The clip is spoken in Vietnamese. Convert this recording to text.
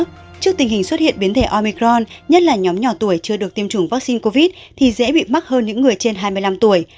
trước tình hình xuất hiện biến thể omicron nhất là nhóm nhỏ tuổi chưa được tiêm chủng vaccine covid thì dễ bị mắc hơn những người trên hai mươi năm tuổi